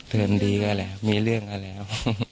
เดือนดีก็แล้วมีเรื่องกันแล้ว